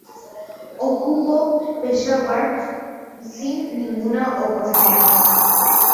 Ocupó Peshawar sin ninguna oposición.